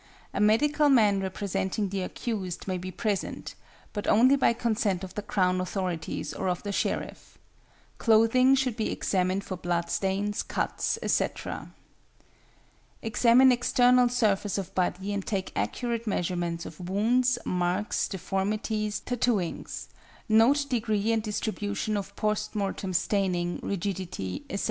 A medical man representing the accused may be present, but only by consent of the Crown authorities or of the Sheriff. Clothing should be examined for blood stains, cuts, etc. Examine external surface of body and take accurate measurements of wounds, marks, deformities, tattooings; note degree and distribution of post mortem staining, rigidity, etc.